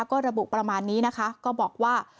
ก็ระบุประมาณนี้นะคะก็บอกว่า